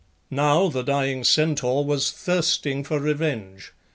Now the dying Centaur was thirsting for revenge.